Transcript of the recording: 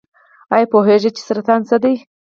ایا پوهیږئ چې سرطان څه دی؟